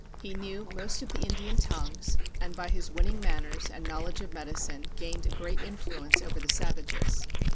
He knew most of the Indian tongues, and by his winning manners and knowledge of medicine gained a great influence over the savages.